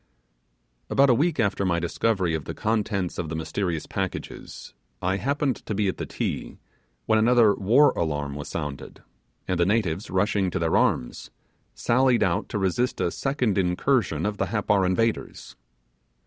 About a week after my discovery of the contents of the mysterious packages, I happened to be at the Ti, when another war alarm was sounded, and the natives rushing to their arms, sallied out to resist a second incursion of the Happar invaders.